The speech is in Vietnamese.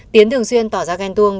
tiến thường xuyên tỏ ra ghen tuông